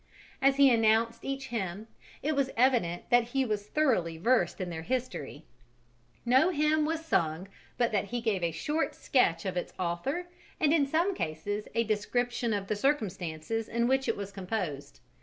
As he announced each hymn, it was evident that he was thoroughly versed in their history: no hymn was sung but that he gave a short sketch of its author and in some cases a description of the circumstances in which it was composed.